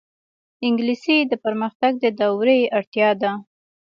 انګلیسي د پرمختګ د دورې اړتیا ده